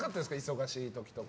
忙しい時とか。